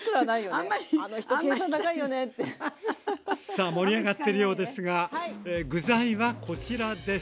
さあ盛り上がってるようですが具材はこちらです。